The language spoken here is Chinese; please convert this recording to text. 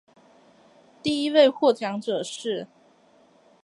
第一位获奖者是。